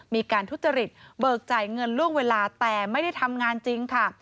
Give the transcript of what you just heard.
มีการทุจริตเบิกจ่ายเงินล่วงเวลาแต่ไม่ได้ทำงานจริงค่ะ